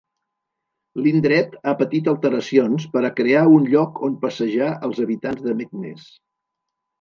L'indret ha patit alteracions per a crear un lloc on passejar els habitants de Meknès.